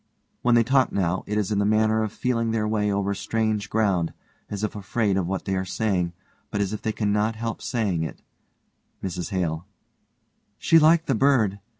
When they talk now it is in the manner of feeling their way over strange ground, as if afraid of what they are saying, but as if they can not help saying it_.) MRS HALE: She liked the bird.